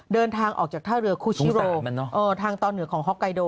เดินทางออกจากท่าเรือคุชิโรทางตอนเหนือของฮอกไกโด